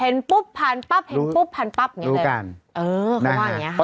เห็นปุ๊บพันปับเห็นปุ๊บพันปับอย่างนี้เลยเออเขาว่าอย่างนี้ค่ะ